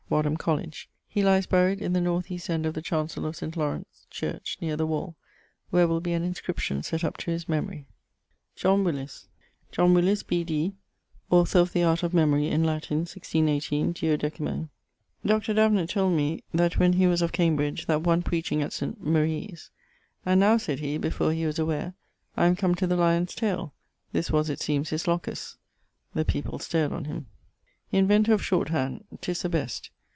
(Wadham College). He lyes buried in the north east end of the chancell of St. Laurence ... church, neer the wall, where will be an inscription sett up to his memorie. =John Willis.= John Willis, B.D. author of the Art of Memorie, in Latin, 1618, 12mo. Dr. Davenant told me that when he was of Cambridge, that one preaching at St. Marie's 'and now,' said he (before he was aware) 'I am come to the lyon's taile'; this was (it seemes) his locus: the people stared on him. Inventor of Short hand, 'tis the best.